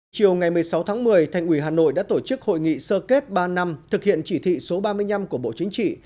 chiều ngày một mươi sáu tháng một mươi thành ủy hà nội đã tổ chức hội nghị sơ kết ba năm thực hiện chỉ thị số ba mươi năm của bộ chính trị